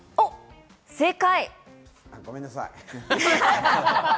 正解！